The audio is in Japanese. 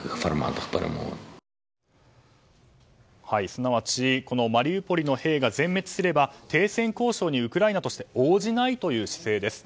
すなわちマリウポリの兵が全滅すれば停戦交渉に、ウクライナとして応じないという姿勢です。